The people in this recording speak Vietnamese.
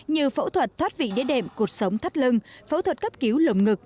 như phẫu thuật thoát vị đế đệm cuộc sống thắt lưng phẫu thuật cấp cứu lồng ngực